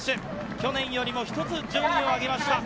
去年よりも１つ順位を上げました。